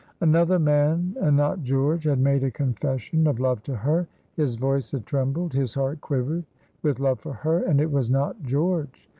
Another man and not George had made a confession of love to her. His voice had trembled, his heart quivered, with love for her, and it was not George.